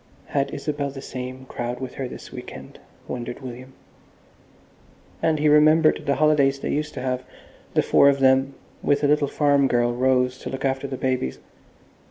Had Isabel the same crowd with her this week end, wondered William? And he remembered the holidays they used to have, the four of them, with a little farm girl, Rose, to look after the babies.